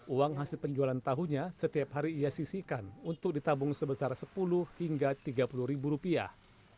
uang hasil penjualan tahunya setiap hari ia sisikan untuk ditabung sebesar sepuluh hingga tiga puluh ribu rupiah